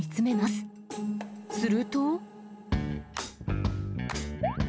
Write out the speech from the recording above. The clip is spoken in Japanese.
すると。